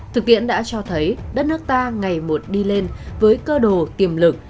thực tiễn đã cho thấy đất nước ta ngày một đi lên với cơ đồ tiềm lực